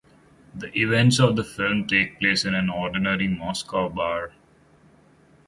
The events of the film take place in an ordinary Moscow bar.